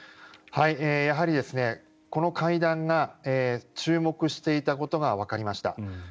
やはりこの会談が注目していたことがわかりました。